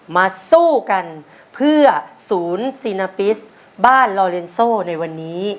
มาสู้กันเพื่อสูญศีลปิดบ้านลอลินซูในวันนี้